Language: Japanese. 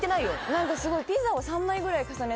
何かすごい。